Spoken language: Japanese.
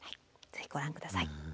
ぜひご覧下さい。